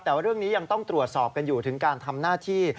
แต่ว่าเรื่องนี้ยังต้องตรวจสอบกันอยู่ถึงการทำหน้าที่